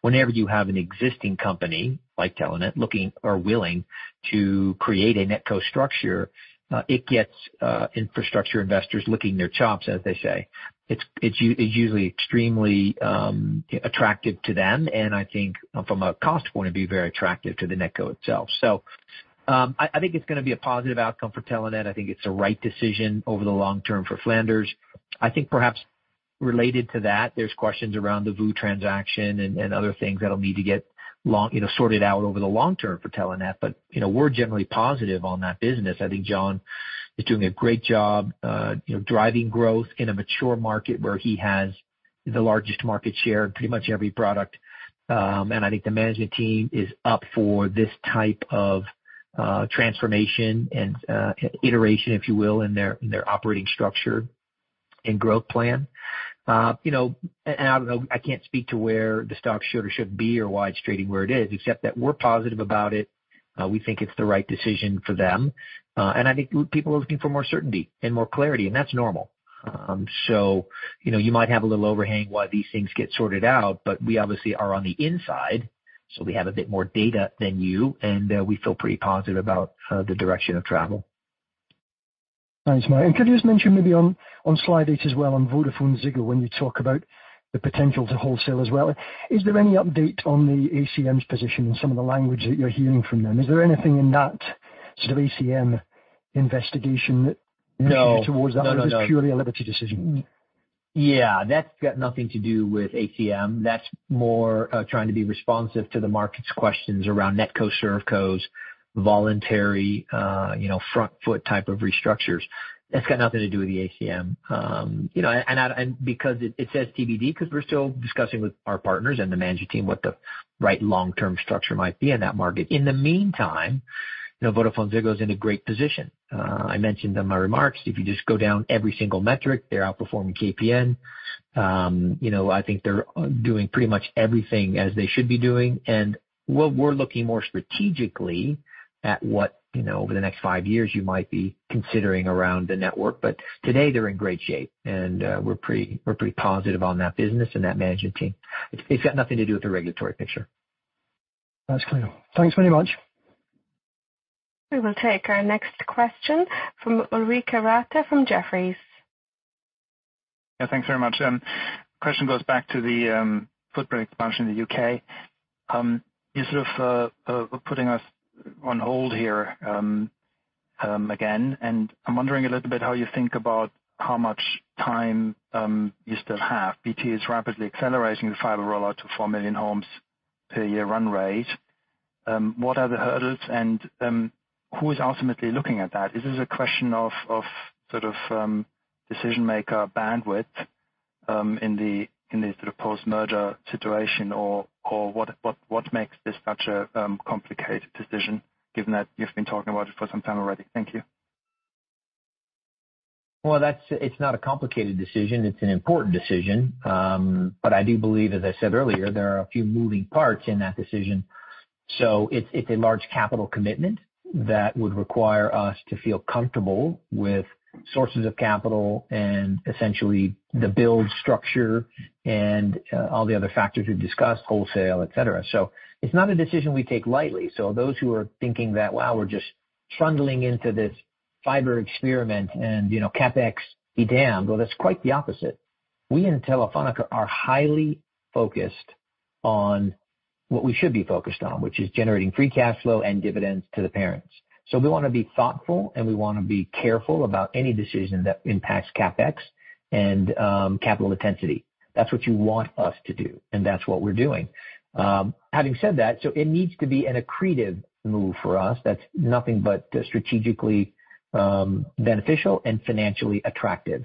Whenever you have an existing company, like Telenet, looking or willing to create a netco structure, it gets infrastructure investors licking their chops, as they say. It's usually extremely attractive to them, and I think from a cost point, it'd be very attractive to the netco itself. I think it's gonna be a positive outcome for Telenet. I think it's the right decision over the long term for Flanders. I think perhaps related to that, there's questions around the VOO transaction and other things that'll need to get long, you know, sorted out over the long term for Telenet. You know, we're generally positive on that business. I think John is doing a great job, you know, driving growth in a mature market where he has the largest market share in pretty much every product. I think the management team is up for this type of transformation and iteration, if you will, in their operating structure and growth plan. You know, I don't know, I can't speak to where the stock should or shouldn't be or why it's trading where it is, except that we're positive about it. We think it's the right decision for them. I think people are looking for more certainty and more clarity, and that's normal. You know, you might have a little overhang while these things get sorted out, but we obviously are on the inside, so we have a bit more data than you, and we feel pretty positive about the direction of travel. Thanks, Mike. Could you just mention maybe on slide eight as well, on VodafoneZiggo, when you talk about the potential to wholesale as well. Is there any update on the ACM's position and some of the language that you're hearing from them? Is there anything in that sort of ACM investigation that points towards that, or is this purely a Liberty decision? Yeah, that's got nothing to do with ACM. That's more, trying to be responsive to the market's questions around netco, servcos, voluntary, you know, front-foot type of restructures. That's got nothing to do with the ACM. You know, because it says TBD because we're still discussing with our partners and the management team what the right long-term structure might be in that market. In the meantime, you know, VodafoneZiggo's in a great position. I mentioned in my remarks, if you just go down every single metric, they're outperforming KPN. You know, I think they're doing pretty much everything as they should be doing. What we're looking more strategically at what, you know, over the next five years you might be considering around the network. Today, they're in great shape, and we're pretty positive on that business and that management team. It's got nothing to do with the regulatory picture. That's clear. Thanks very much. We will take our next question from Ulrich Rathe from Jefferies. Yeah, thanks very much. Question goes back to the footprint expansion in the UK. You're sort of putting us on hold here again, and I'm wondering a little bit how you think about how much time you still have. BT is rapidly accelerating the fiber rollout to four million homes per year run rate. What are the hurdles, and who is ultimately looking at that? Is this a question of sort of decision maker bandwidth in the sort of post-merger situation or what makes this such a complicated decision, given that you've been talking about it for some time already? Thank you. It's not a complicated decision. It's an important decision. I do believe, as I said earlier, there are a few moving parts in that decision, so it's a large capital commitment that would require us to feel comfortable with sources of capital and essentially the build structure and all the other factors we've discussed, wholesale, et cetera. It's not a decision we take lightly. Those who are thinking that, wow, we're just trundling into this fiber experiment and, you know, CapEx be damned. Well, that's quite the opposite. We in Telefónica are highly focused on what we should be focused on, which is generating free cash flow and dividends to the parents. We wanna be thoughtful, and we wanna be careful about any decision that impacts CapEx and capital intensity. That's what you want us to do, and that's what we're doing. Having said that, it needs to be an accretive move for us. That's nothing but strategically beneficial and financially attractive.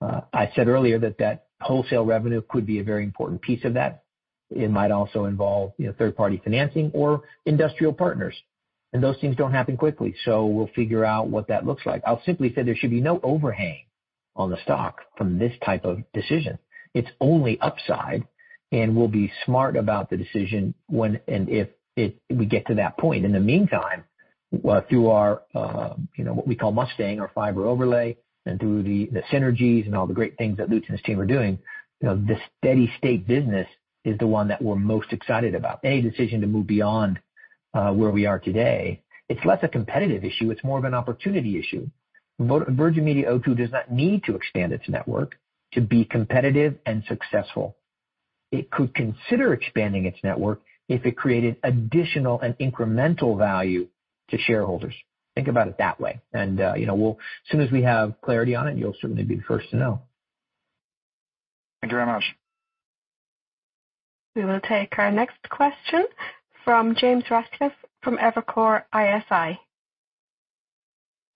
I said earlier that wholesale revenue could be a very important piece of that. It might also involve, you know, third-party financing or industrial partners, and those things don't happen quickly. We'll figure out what that looks like. I'll simply say there should be no overhang on the stock from this type of decision. It's only upside, and we'll be smart about the decision when and if we get to that point. In the meantime, through our, you know, what we call Mustang or fiber overlay, and through the synergies and all the great things that Lutz and his team are doing, you know, the steady state business is the one that we're most excited about. Any decision to move beyond where we are today, it's less a competitive issue. It's more of an opportunity issue. Virgin Media O2 does not need to expand its network to be competitive and successful. It could consider expanding its network if it created additional and incremental value to shareholders. Think about it that way. Soon as we have clarity on it, you'll certainly be the first to know. Thank you very much. We will take our next question from James Ratcliffe from Evercore ISI.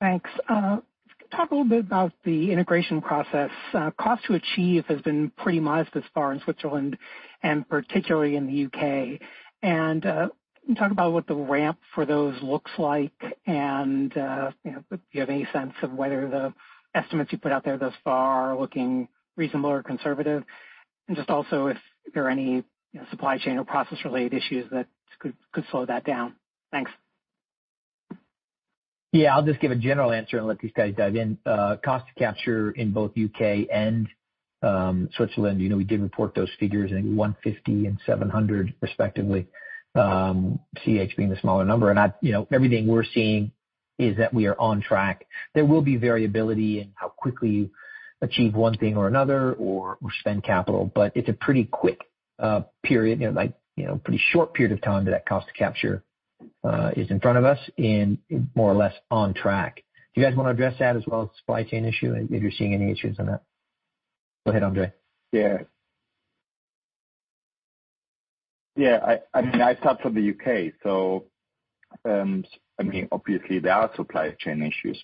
Thanks. Talk a little bit about the integration process. Cost to achieve has been pretty modest thus far in Switzerland and particularly in the UK. Can you talk about what the ramp for those looks like and, you know, do you have any sense of whether the estimates you put out there thus far are looking reasonable or conservative? Just also, if there are any, you know, supply chain or process-related issues that could slow that down. Thanks. Yeah. I'll just give a general answer and let these guys dive in. Cost to capture in both U.K. and Switzerland, you know, we did report those figures, I think $150 and $700 respectively, CH being the smaller number. Everything we're seeing is that we are on track. There will be variability in how quickly you achieve one thing or another or we spend capital, but it's a pretty quick period. You know, like, pretty short period of time that cost to capture is in front of us and more or less on track. Do you guys wanna address that as well as supply chain issue, if you're seeing any issues on that? Go ahead, Andre. I mean, I'll start from the UK. I mean, obviously there are supply chain issues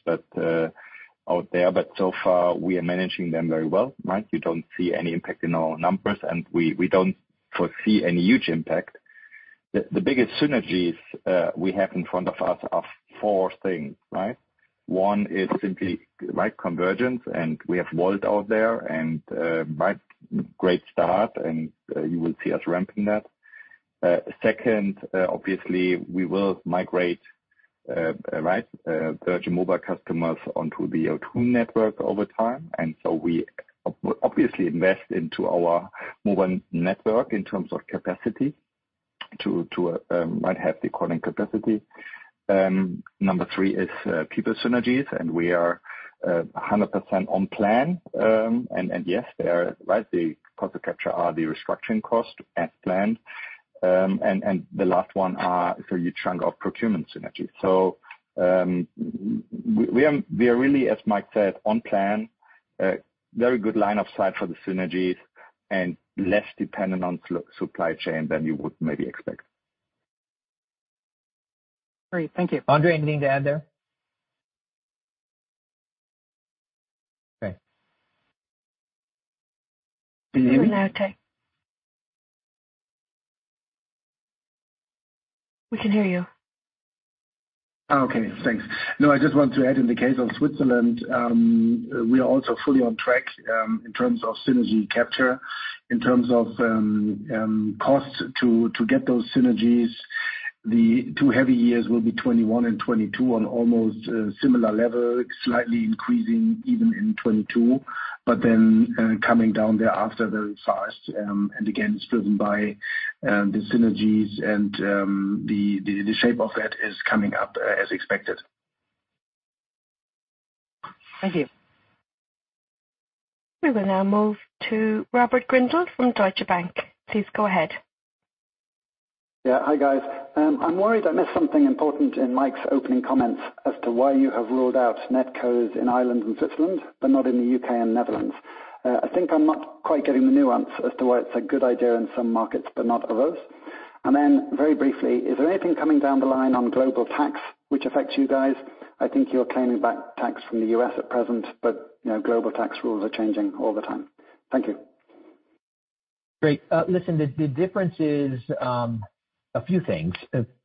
out there, but so far we are managing them very well, right? You don't see any impact in our numbers, and we don't foresee any huge impact. The biggest synergies we have in front of us are four things, right? One is simply convergence, and we have Volt out there and great start, and you will see us ramping that. Second, obviously we will migrate Virgin Media customers onto the O2 network over time. We obviously invest into our mobile network in terms of capacity to have the calling capacity. Number three is people synergies, and we are 100% on plan. Yes, there are, right, the cost to capture are the restructuring cost as planned. The last one, a huge chunk of procurement synergies. We are really, as Mike said, on plan. Very good line of sight for the synergies and less dependent on supply chain than you would maybe expect. Great. Thank you. Andre, anything to add there? Okay. Can you hear me? We will now turn- We can hear you. Okay, thanks. No, I just want to add, in the case of Switzerland, we are also fully on track in terms of synergy capture. In terms of costs to get those synergies, the two heavy years will be 2021 and 2022 on almost a similar level, slightly increasing even in 2022, but then coming down thereafter very fast. Again, it's driven by the synergies and the shape of that is coming up as expected. Thank you. We will now move to Robert Grindle from Deutsche Bank. Please go ahead. Yeah. Hi, guys. I'm worried I missed something important in Mike's opening comments as to why you have ruled out netcos in Ireland and Switzerland, but not in the U.K. and Netherlands. I think I'm not quite getting the nuance as to why it's a good idea in some markets but not others. Very briefly, is there anything coming down the line on global tax which affects you guys? I think you're claiming back tax from the U.S. at present, but, you know, global tax rules are changing all the time. Thank you. Great. Listen, the difference is a few things.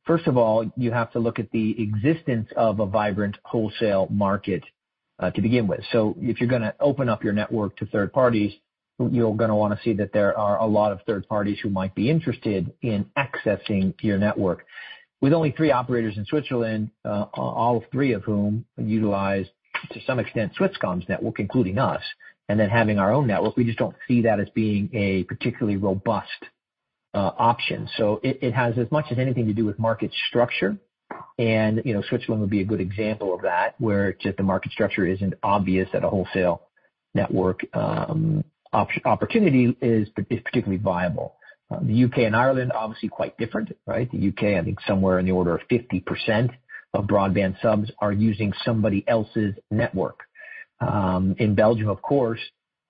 First of all, you have to look at the existence of a vibrant wholesale market to begin with. So if you're gonna open up your network to third parties, you're gonna wanna see that there are a lot of third parties who might be interested in accessing your network. With only three operators in Switzerland, all three of whom utilize, to some extent, Swisscom's network, including us, and then having our own network, we just don't see that as being a particularly robust option. So it has as much as anything to do with market structure. You know, Switzerland would be a good example of that, where just the market structure isn't obvious at a wholesale network opportunity is particularly viable. The U.K. and Ireland, obviously quite different, right? The U.K., I think somewhere in the order of 50% of broadband subs are using somebody else's network. In Belgium, of course,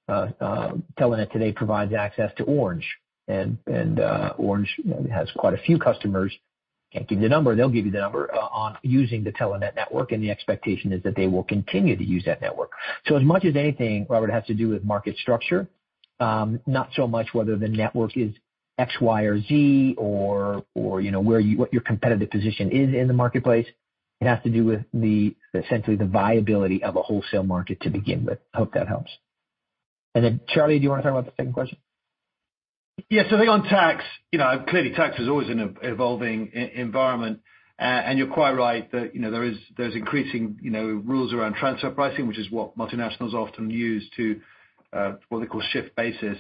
Telenet today provides access to Orange, and Orange has quite a few customers, can't give you the number, they'll give you the number, on using the Telenet network. The expectation is that they will continue to use that network. As much as anything, Robert, it has to do with market structure, not so much whether the network is X, Y, or Z or, you know, where you what your competitive position is in the marketplace. It has to do with the, essentially the viability of a wholesale market to begin with. Hope that helps. Then, Charlie, do you wanna talk about the second question? Yeah. I think on tax, you know, clearly tax is always an evolving environment. And you're quite right that, you know, there's increasing rules around transfer pricing, which is what multinationals often use to what they call base shifting.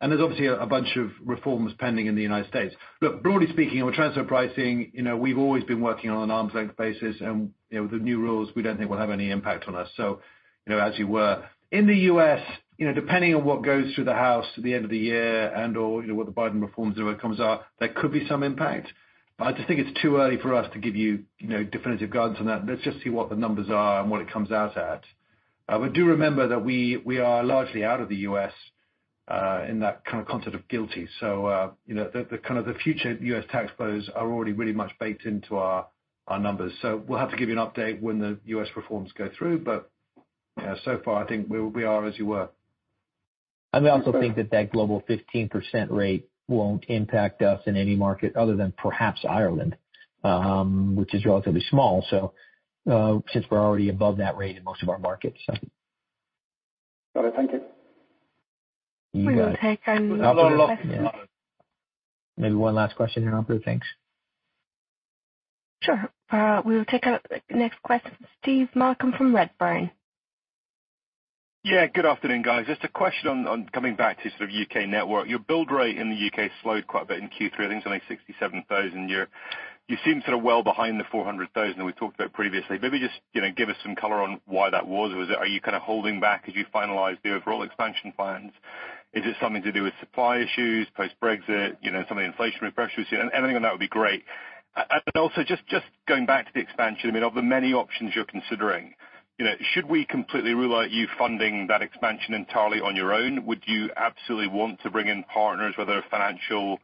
And there's obviously a bunch of reforms pending in the United States. Look, broadly speaking, with transfer pricing, you know, we've always been working on an arm's length basis and, you know, the new rules, we don't think will have any impact on us. You know, as you were. In the U.S., you know, depending on what goes through the House at the end of the year and/or, you know, what the Biden reforms, whatever comes out, there could be some impact. I just think it's too early for us to give you know, definitive guidance on that. Let's just see what the numbers are and what it comes out at. We do remember that we are largely out of the U.S. in that kind of concept of GILTI. You know, the future U.S. tax bills are already largely baked into our numbers. We'll have to give you an update when the U.S. reforms go through. You know, so far I think we are as you were. We also think that global 15% rate won't impact us in any market other than perhaps Ireland, which is relatively small. Since we're already above that rate in most of our markets. Got it. Thank you. You got it. We will take. Not a lot. Maybe one last question and I'll conclude. Thanks. Sure. We'll take a next question. Steve Malcolm from Redburn. Yeah. Good afternoon, guys. Just a question on coming back to sort of UK network. Your build rate in the UK slowed quite a bit in Q3. I think it's only 67,000. You seem sort of well behind the 400,000 we talked about previously. Maybe just, you know, give us some color on why that was. Was it? Are you kinda holding back as you finalize the overall expansion plans? Is it something to do with supply issues, post-Brexit, you know, some of the inflationary pressures? Anything on that would be great. And also just going back to the expansion, I mean, of the many options you're considering, you know, should we completely rule out you funding that expansion entirely on your own? Would you absolutely want to bring in partners, whether financial,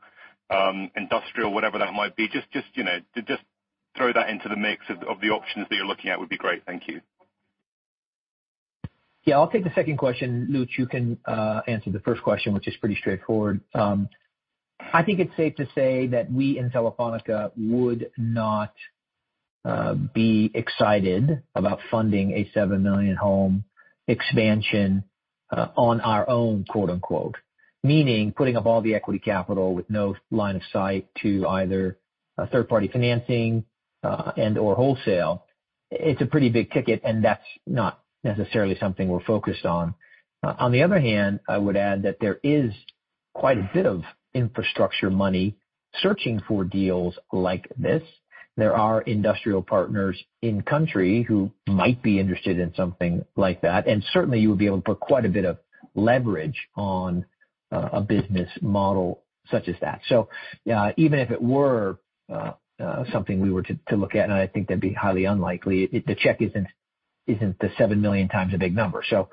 industrial, whatever that might be? Just, you know, to just throw that into the mix of the options that you're looking at would be great. Thank you. Yeah. I'll take the second question. Lutz, you can answer the first question, which is pretty straightforward. I think it's safe to say that we in Telefónica would not be excited about funding a seven million home expansion on our own, quote, unquote. Meaning putting up all the equity capital with no line of sight to either a third party financing and/or wholesale. It's a pretty big ticket, and that's not necessarily something we're focused on. On the other hand, I would add that there is quite a bit of infrastructure money searching for deals like this. There are industrial partners in country who might be interested in something like that, and certainly you'll be able to put quite a bit of leverage on a business model such as that. Even if it were something we were to look at, and I think that'd be highly unlikely, the check isn't the seven million times a big number. You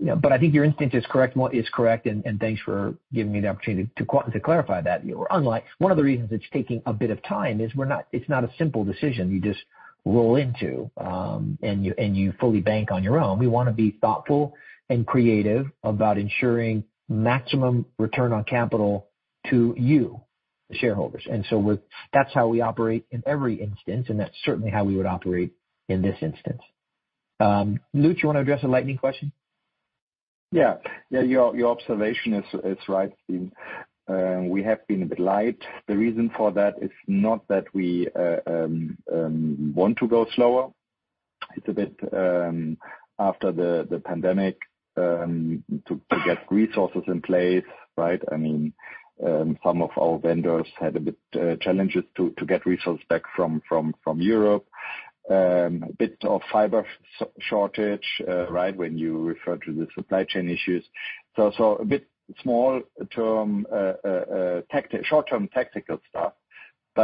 know, but I think your instinct is correct, Maurice is correct, and thanks for giving me the opportunity to clarify that. One of the reasons it's taking a bit of time is it's not a simple decision you just roll into, and you fully bank on your own. We wanna be thoughtful and creative about ensuring maximum return on capital to you, the shareholders. That's how we operate in every instance, and that's certainly how we would operate in this instance. Lutz, you wanna address the Lightning question? Yeah, your observation is right, Steve. We have been a bit light. The reason for that is not that we want to go slower. It's a bit after the pandemic to get resources in place, right? I mean, some of our vendors had a bit challenges to get resources back from Europe. A bit of fiber shortage, right? When you refer to the supply chain issues. A bit short-term tactical stuff. We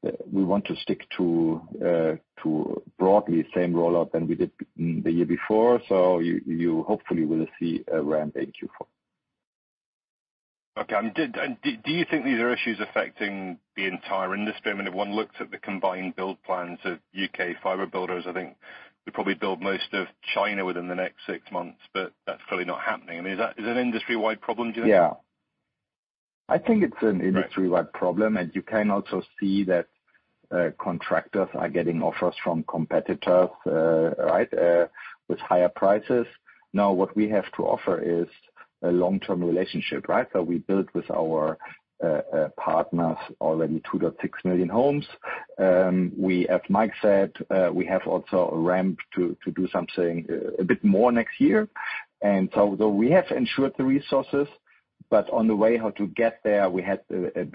want to stick to broadly same rollout than we did the year before. You hopefully will see a ramp in Q4. Do you think these are issues affecting the entire industry? I mean, if one looked at the combined build plans of U.K. fiber builders, I think we probably build most of China within the next six months, but that's clearly not happening. I mean, is it an industry-wide problem, do you think? Yeah. I think it's an industry-wide problem. You can also see that contractors are getting offers from competitors, right? With higher prices. Now, what we have to offer is a long-term relationship, right? We built with our partners already 2.6 million homes. We, as Mike said, have also ramped to do something a bit more next year. Though we have ensured the resources, but on the way how to get there, we had a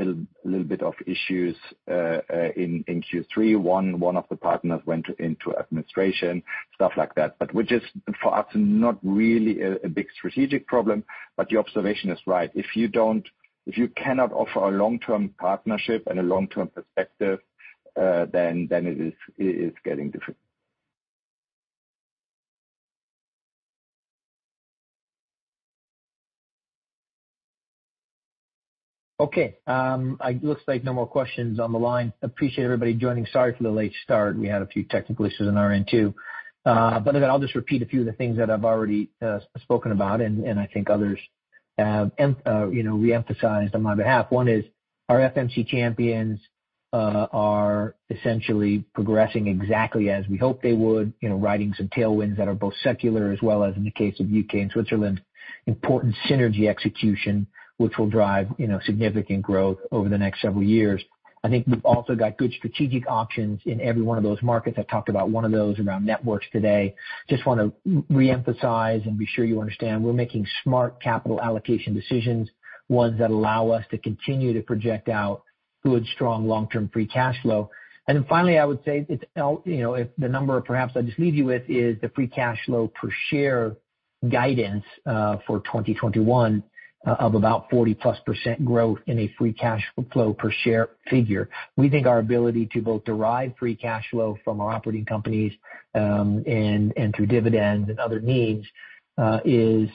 little bit of issues in Q3. One of the partners went into administration, stuff like that. Which is for us not really a big strategic problem, but your observation is right. If you don't. If you cannot offer a long-term partnership and a long-term perspective, then it is getting difficult. Okay. Looks like no more questions on the line. I appreciate everybody joining. Sorry for the late start. We had a few technical issues on our end too. Other than that I'll just repeat a few of the things that I've already spoken about, and I think others have you know, re-emphasized on my behalf. One is our FMC champions are essentially progressing exactly as we hoped they would. You know, riding some tailwinds that are both secular as well as in the case of U.K. and Switzerland, important synergy execution, which will drive you know, significant growth over the next several years. I think we've also got good strategic options in every one of those markets. I've talked about one of those around networks today. Just wanna re-emphasize and be sure you understand, we're making smart capital allocation decisions, ones that allow us to continue to project out good, strong long-term free cash flow. Then finally, I would say you know, if the number perhaps I'll just leave you with is the free cash flow per share guidance for 2021 of about 40+% growth in a free cash flow per share figure. We think our ability to both derive free cash flow from our operating companies and through dividends and other means is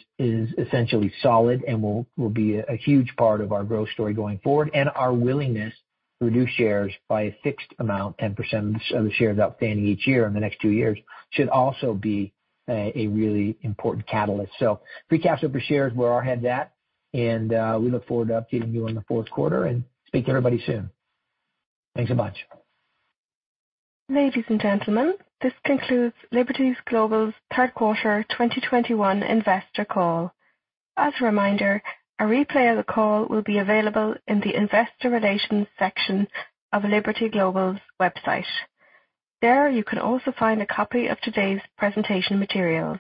essentially solid and will be a huge part of our growth story going forward. Our willingness to reduce shares by a fixed amount, 10% of the shares outstanding each year in the next two years, should also be a really important catalyst. Free cash flow per share is where our head's at, and we look forward to updating you on the Q4. Speak to everybody soon. Thanks a bunch. Ladies and gentlemen, this concludes Liberty Global's Q3 2021 investor call. As a reminder, a replay of the call will be available in the investor relations section of Liberty Global's website. There, you can also find a copy of today's presentation materials.